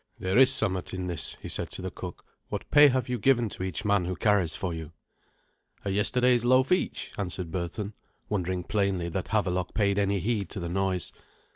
"There is somewhat in this," he said to the cook. "What pay have you given to each man who carries for you?" "A yesterday's loaf each," answered Berthun, wondering plainly that Havelok paid any heed to the noise.